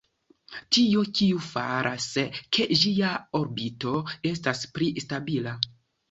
Tio, kiu faras, ke ĝia orbito estas pli stabila.